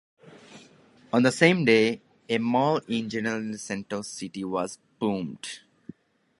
On the same day, a mall in General Santos City was also bombed.